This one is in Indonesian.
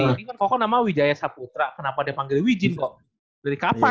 ini kan koko nama wijaya saputra kenapa dia panggil wijin kok dari kapan